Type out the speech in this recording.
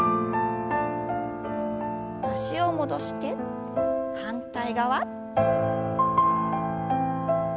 脚を戻して反対側。